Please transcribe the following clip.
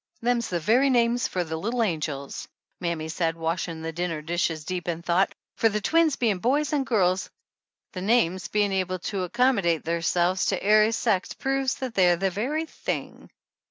"Them's the very names for the little angels," 130 THE ANNALS OF ANN Mammy said, washing the dinner dishes deep in thought, "for the twins bein' boys and girls and the names bein' able to accommodate therselves to ary sect proves that they're the very thing.